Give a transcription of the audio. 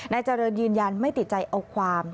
เจริญยืนยันไม่ติดใจเอาความ